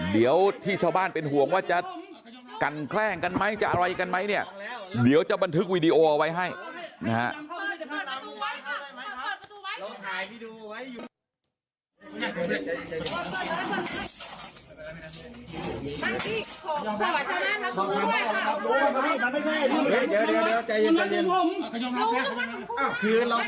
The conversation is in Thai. เดี๋ยวที่ชาวบ้านเป็นห่วงว่าจะกันแกล้งกันไหมจะอะไรกันไหมเนี่ยเดี๋ยวจะบันทึกวีดีโอเอาไว้ให้นะฮะ